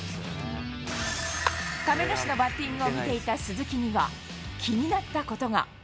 亀梨のバッティングを見ていた鈴木には、気になったことが。